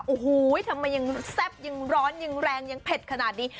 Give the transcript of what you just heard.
โอ้โหทำไมยังแซ่บยังร้อนยังแรงยังเผ็ดขนาดนี้